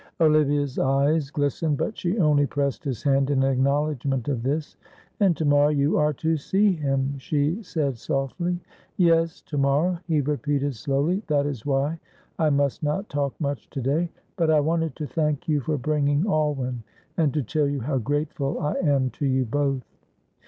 Olivia's eyes glistened, but she only pressed his hand in acknowledgment of this. "And to morrow you are to see him," she said, softly. "Yes, to morrow," he repeated slowly, "that is why I must not talk much to day; but I wanted to thank you for bringing Alwyn, and to tell you how grateful I am to you both.